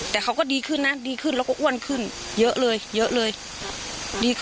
เพราะอาเองก็ดูข่าวน้องชมพู่